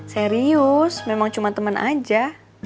serius memang cuma teman aja